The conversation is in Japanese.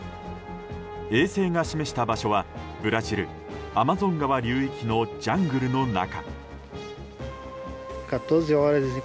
衛星が示した場所はブラジル・アマゾン川流域のジャングルの中。